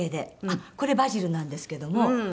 あっこれバジルなんですけども。